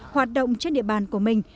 hoạt động trên địa bàn của mình